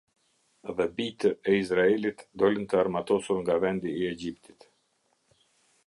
Dhe bijtë e Izraelit dolën të armatosur nga vendi i Egjiptit.